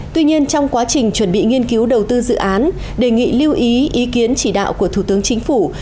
tuy nhiên trong quá trình chuẩn bị nghiên cứu đầu tư dự án đề nghị lưu ý ý kiến chỉ đạo của thủ tướng chính phủ